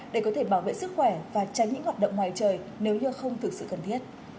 để có thể bảo vệ sức khỏe và tránh những hoạt động ngoài trời nếu như không thực sự cần thiết